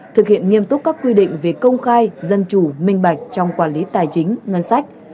thực hiện nghiêm túc các quy định về công khai dân chủ minh bạch trong quản lý tài chính ngân sách